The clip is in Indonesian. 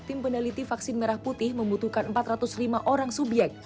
tim peneliti vaksin merah putih membutuhkan empat ratus lima orang subyek